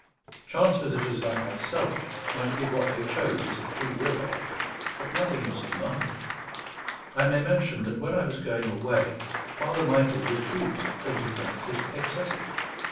Chance visitors like myself might give what they chose as a free will offering, but nothing was demanded. I may mention that when I was going away Father Michael refused twenty francs as excessive.